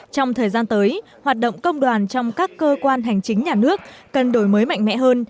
trong thời gian tới hoạt động công đoàn trong các cơ quan hành chính nhà nước cần đổi mới mạnh mẽ hơn